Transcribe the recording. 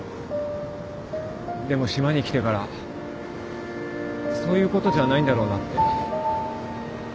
でも島に来てからそういうことじゃないんだろうなって。